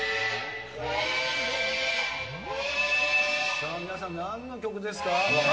さあ、皆さん、なんの曲ですか？